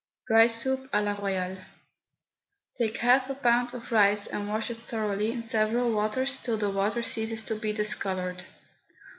RICE SOUP A LA ROYALE. Take half a pound of rice and wash it thoroughly in several waters till the water ceases to be discoloured.